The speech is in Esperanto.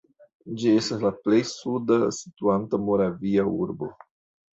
Ĝi estas la plej suda situanta moravia urbo.